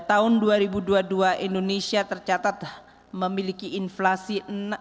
tahun dua ribu dua puluh dua indonesia tercatat memiliki inflasi